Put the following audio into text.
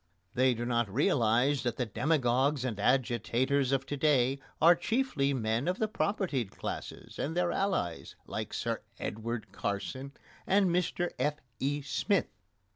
They do not realise that the demagogues and agitators of to day are chiefly men of the propertied classes and their allies, like Sir Edward Carson and Mr F.E. Smith.